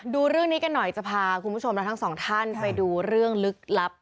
ดูเรื่องนี้กันหน่อยจะพาคุณผู้ชมและทั้งสองท่านไปดูเรื่องลึกลับ